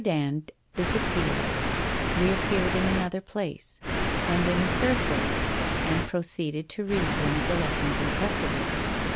Dand disappeared, reappeared in another place, and in a surplice, and proceeded to read one of the lessons impressively.